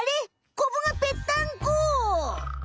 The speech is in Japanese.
コブがぺったんこ。